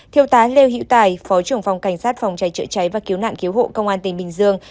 thiêu tá lêu hữu tài phó trưởng phòng cảnh sát phòng cháy trợ cháy và cứu nạn cứu hộ công an tỉnh bình dương